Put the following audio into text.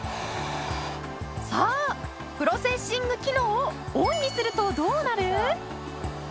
さあプロセンシング機能をオンにするとどうなる？